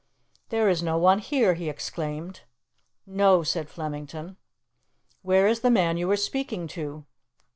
"There is no one here!" he exclaimed. "No," said Flemington. "Where is the man you were speaking to?"